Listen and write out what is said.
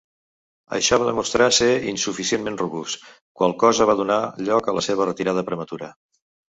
Això va demostrar ser insuficientment robust, qual cosa va donar lloc a la seva retirada prematura.